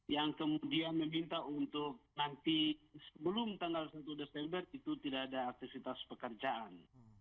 yang kemudian meminta untuk nanti sebelum tanggal satu desember itu tidak ada aktivitas pekerjaan